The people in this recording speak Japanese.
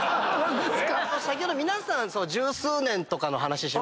先ほど皆さん十数年とかの話しますけど僕。